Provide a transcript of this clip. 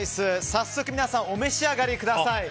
早速、皆さんお召し上がりください。